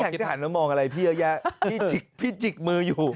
นึกแขกจะหันแล้วมองอะไรพี่อาญะพี่จิกมืออยู่